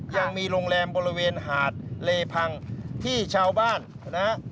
ยังมีโรงแรมบริเวณหาดเลพังที่ชาวบ้านนะฮะ